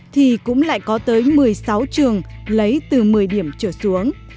thì cũng lại có tới một mươi sáu trường lấy từ một mươi điểm trở xuống